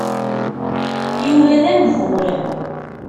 Yuba d ambur.